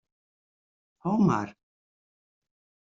Ho mar.